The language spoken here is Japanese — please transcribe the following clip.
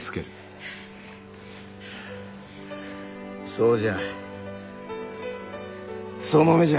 そうじゃその目じゃ！